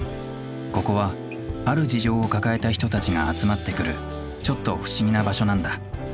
ここはある事情を抱えた人たちが集まってくるちょっと不思議な場所なんだ。